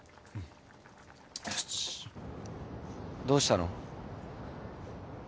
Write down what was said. どうしたの？